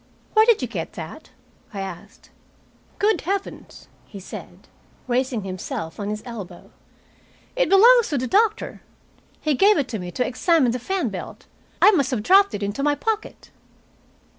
"Where did you get that?" I asked. "Good heavens!" he said, raising himself on his elbow. "It belongs to the doctor. He gave it to me to examine the fan belt. I must have dropped it into my pocket."